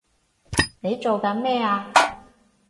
你做緊咩啊！